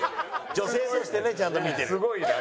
女性としてねちゃんと見てる。